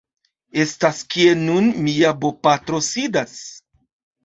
estas kie nun mia bopatro sidas.